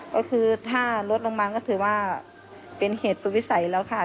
ก็คือถ้าลดลงมาก็ถือว่าเป็นเหตุสุดวิสัยแล้วค่ะ